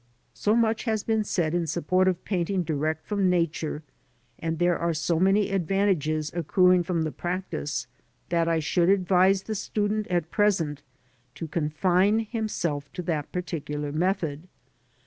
So much has been said in support of painting direct from Nature, and there are so many advantages accruing from the practice, that I should advise the student at present to confine himself to that particular method.